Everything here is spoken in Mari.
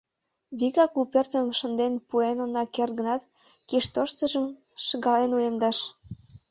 Вигак у пӧртым шынден пуэн она керт гынат, кеч тоштыжым шыгален уэмдаш.